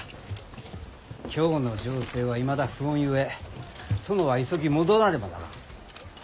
京の情勢はいまだ不穏ゆえ殿は急ぎ戻らねばならぬ。